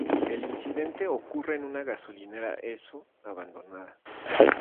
El incidente ocurre en una gasolinera Esso abandonada.